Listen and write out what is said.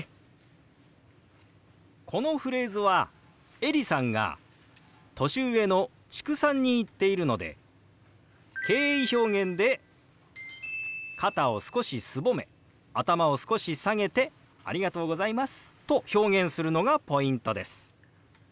このフレーズはエリさんが年上の知久さんに言っているので敬意表現で肩を少しすぼめ頭を少し下げて「ありがとうございます」と表現するのがポイントです。